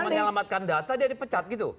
menyelamatkan data dia dipecat gitu